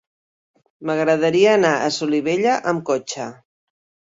M'agradaria anar a Solivella amb cotxe.